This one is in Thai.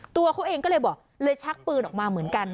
ตัวเขาเองก็เลยบอกเลยชักปืนออกมาเหมือนกัน